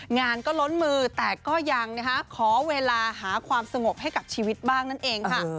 งานก็ล้นมือแต่ก็ยังขอเวลาหาความสงบให้กับชีวิตบ้างนั่นเองค่ะ